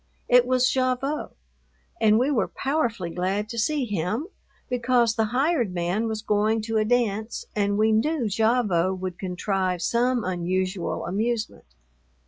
It was Gavotte, and we were powerfully glad to see him because the hired man was going to a dance and we knew Gavotte would contrive some unusual amusement.